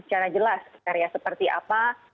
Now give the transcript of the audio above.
secara jelas karya seperti apa